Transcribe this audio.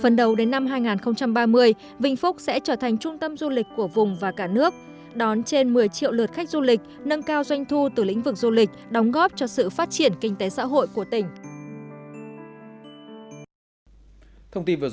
phần đầu đến năm hai nghìn ba mươi vĩnh phúc sẽ trở thành trung tâm du lịch của vùng và cả nước đón trên một mươi triệu lượt khách du lịch nâng cao doanh thu từ lĩnh vực du lịch đóng góp cho sự phát triển kinh tế xã hội của tỉnh